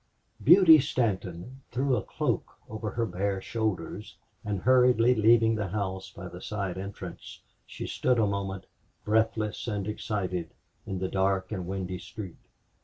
26 Beauty Stanton threw a cloak over her bare shoulders and, hurriedly leaving the house by the side entrance, she stood a moment, breathless and excited, in the dark and windy street.